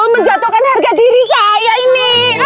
menjatuhkan harga diri saya ini